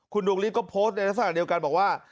คุณดวงลิศก็โพสต์ในสถานีเดียวกันบอกว่า